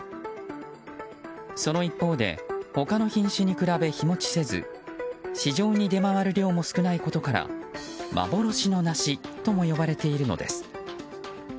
その一方で、他の品種に比べ日持ちせず市場に出回る量も少ないことから幻の梨とも呼ばれているのです。